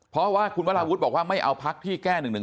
เพราะว่าคุณวราวุฒิบอกว่าไม่เอาพักที่แก้๑๑๒